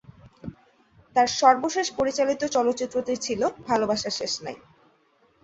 তার সর্বশেষ পরিচালিত চলচ্চিত্রটি ছিল ভালোবাসার শেষ নাই।